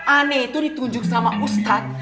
aneh itu ditunjuk sama ustadz